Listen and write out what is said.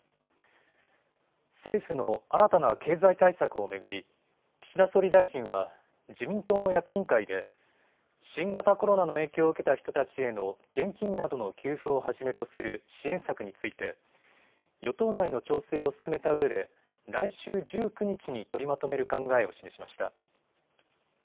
政府の新たな経済対策を巡り岸田総理大臣は自民党の役員会で新型コロナの影響を受けた人たちへの現金などの給付をはじめとする支援策について与党内の調整を進めたうえで来週１９日に取りまとめる考えを示しました。